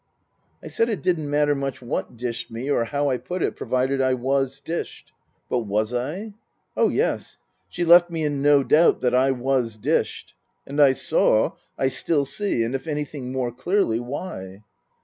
I said it didn't matter much what dished me or how I put it, provided I was dished. But was I ? Oh, yes ! She left me in no doubt that I was dished. And I saw I still see, and if anything more clearly why.